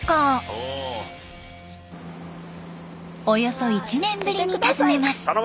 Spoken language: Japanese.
その後およそ１年ぶりに訪ねます。